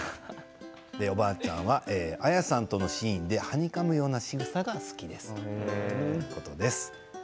おばあちゃんは綾さんとのシーンではにかむようなしぐさが好きですということです。